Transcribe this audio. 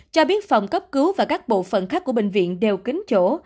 cho biết phòng cấp cứu và các bộ phận khác của bệnh viện đều kính chỗ